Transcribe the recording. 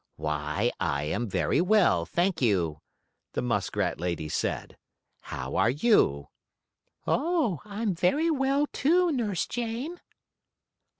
"Why, I am very well, thank you," the muskrat lady said. "How are you?" "Oh, I'm very well, too, Nurse Jane."